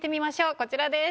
こちらです。